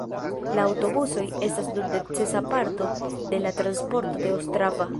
La aŭtobusoj estas nun necesa parto de la transporto en Ostrava.